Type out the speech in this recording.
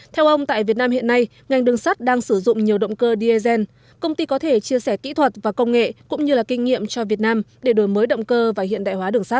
theo ông tại việt nam hiện nay ngành đường sắt đang sử dụng nhiều động cơ dsn công ty có thể chia sẻ kỹ thuật và công nghệ cũng như là kinh nghiệm cho việt nam để đổi mới động cơ và hiện đại hóa đường sắt